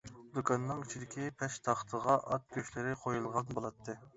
دۇكاننىڭ ئىچىدىكى پەشتاختىغا ئات گۆشلىرى قويۇلغان بولاتتى.